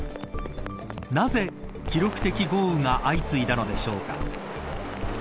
なぜ記録的豪雨が相次いだのでしょうか。